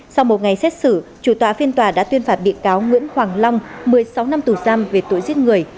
sau một ngày xét xử chủ tọa phiên tòa đã tuyên phạt bị cáo nguyễn hoàng long một mươi sáu năm tù giam về tội giết người